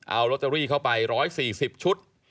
เอาลอตเตอรี่เข้าไป๑๔๐ชุด